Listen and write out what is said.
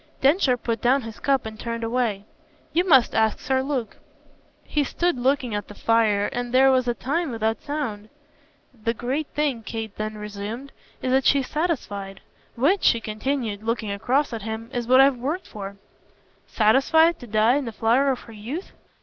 Densher put down his cup and turned away. "You must ask Sir Luke." He stood looking at the fire and there was a time without sound. "The great thing," Kate then resumed, "is that she's satisfied. Which," she continued, looking across at him, "is what I've worked for." "Satisfied to die in the flower of her youth?"